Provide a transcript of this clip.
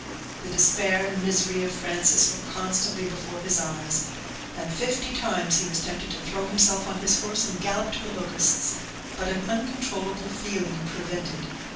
The despair and misery of Frances were constantly before his eyes, and fifty times he was tempted to throw himself on his horse and gallop to the Locusts; but an uncontrollable feeling prevented.